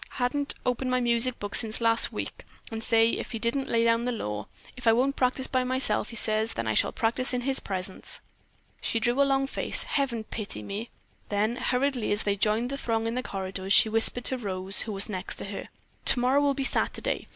Hadn't opened my music book since last week, and say, but didn't he lay down the law! If I won't practice by myself," says he, "then I shall practice in his presence." She drew a long face. "Heaven pity me!" Then hurriedly, as they joined the throng in the corridors, she whispered to Rose, who was next to her: "Tomorrow will be Saturday.